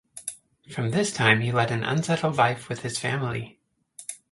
From this time he led an unsettled life with his family.